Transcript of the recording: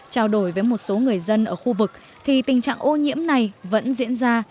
trao đổi với một số người dân ở khu vực thì tình trạng ô nhiễm này vẫn diễn ra